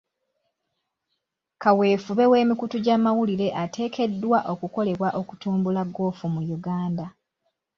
Kaweefube w'emikutu gy'amawulire ateekeddwa okukolebwa okutumbula ggoofu mu Uganda.